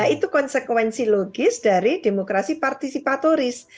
itu konsekuensi logis dari demokrasi partisipatoris